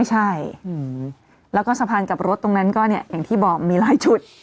ใช่แล้วก็สะพานกับรถตรงนั้นก็เนี่ยอย่างที่บอกมีหลายจุด